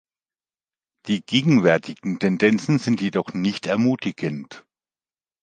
Die gegenwärtigen Tendenzen sind jedoch nicht ermutigend.